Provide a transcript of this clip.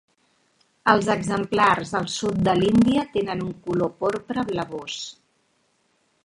Els exemplars al sud de l'Índia tenen un color porpra blavós.